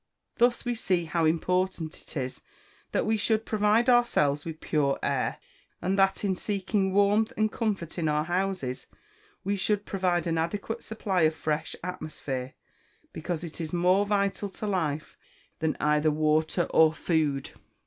Thus we see how important it is that we should provide ourselves with pure air; and that, in seeking warmth and comfort in our houses, we should provide an adequate supply of fresh atmosphere because it is more vital to life than either water or food.